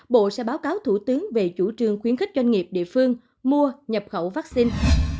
bộ sẽ báo cáo thủ tướng về chủ trương khuyến khích doanh nghiệp địa phương mua nhập khẩu vaccine